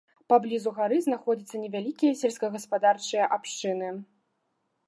Паблізу гары знаходзяцца невялікія сельскагаспадарчыя абшчыны.